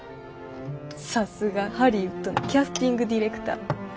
さすがハリウッドのキャスティングディレクター。